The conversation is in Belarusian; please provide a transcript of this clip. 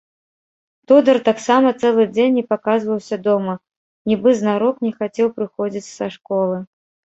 Тодар таксама цэлы дзень не паказваўся дома, нібы знарок не хацеў прыходзіць са школы.